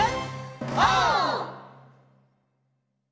オー！